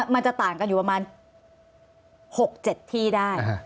มันจะต่างกันอยู่ประมาณ๖๗ที่ได้